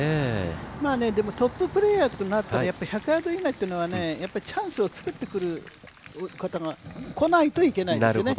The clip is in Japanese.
でもトッププレーヤーとなると１００ヤード以内というのはチャンスを作ってくるのがこないといけないですよね。